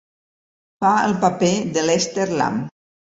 Fa el paper de Lester Lamb.